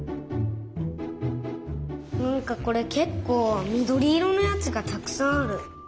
なんかこれけっこうみどりいろのやつがたくさんある。